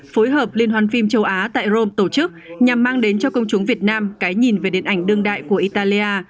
phối hợp liên hoàn phim châu á tại rome tổ chức nhằm mang đến cho công chúng việt nam cái nhìn về điện ảnh đương đại của italia